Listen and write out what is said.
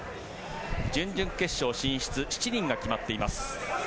準々決勝進出７人が決まっています。